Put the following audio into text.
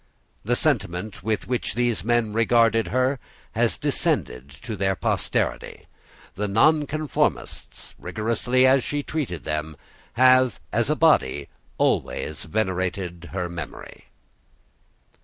The sentiment with which these men regarded her has descended to their posterity. The Nonconformists, rigorously as she treated them, have, as a body, always venerated her memory.